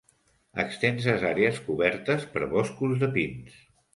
Extenses àrees cobertes per boscos de pins.